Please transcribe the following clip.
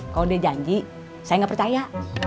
kalau dia janji saya nggak percaya